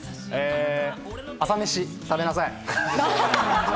朝飯、食べなさい。